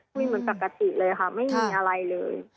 คุยเหมือนปกติเลยค่ะไม่มีอะไรเลย